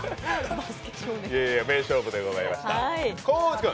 いやいや名勝負でございました。